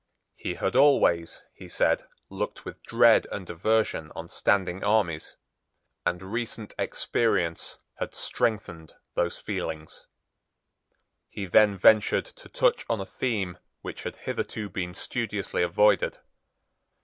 He had always, he said, looked with dread and aversion on standing armies; and recent experience had strengthened those feelings. He then ventured to touch on a theme which had hitherto been studiously avoided.